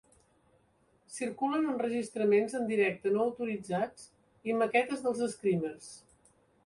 Circulen enregistraments en directe no autoritzats i maquetes dels Screamers.